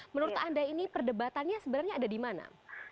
menurut anda ini perdebatannya sebenarnya ada di mana